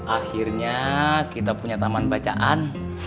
akhirnya kita punya taman bacaan